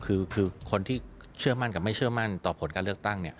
คือคนที่เชื่อมั่นกับไม่เชื่อมั่นต่อผลการเลือกตั้ง